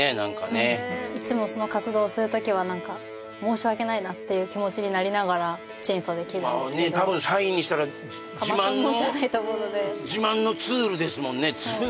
そうですねいつもその活動する時は何か申し訳ないなっていう気持ちになりながらチェーンソーで切るんですけどまあね多分たまったものじゃないと思うのでですもんねツール？